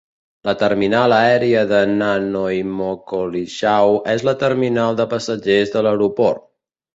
La terminal aèria de Nanaimo-Collishaw és la terminal de passatgers de l'aeroport.